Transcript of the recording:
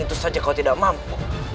itu saja kau tidak mampu